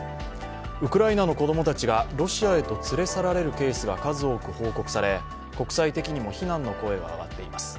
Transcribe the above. ウクライナの子供たちがロシアへと連れ去られるケースが数多く報告され国際的にも非難の声が上がっています。